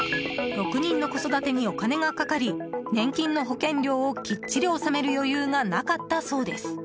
６人の子育てにお金がかかり年金の保険料をきっちり納める余裕がなかったそうです。